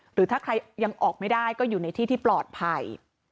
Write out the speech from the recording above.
หรือถ้าใครยังออกไม่ได้ก็อยู่ในที่ที่ปลอดภัย